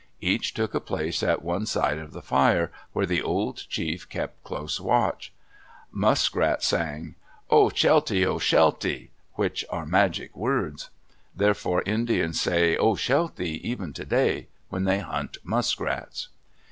Each took a place at one side of the fire, where the old chief kept close watch. Muskrat sang, Oh, shelte! Oh, shelte! which are magic words. Therefore Indians say, "Oh, shelte," even today, when they hunt muskrats.